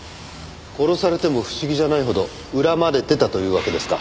殺されても不思議じゃないほど恨まれてたというわけですか。